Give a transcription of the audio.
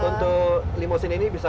untuk limousine ini bisa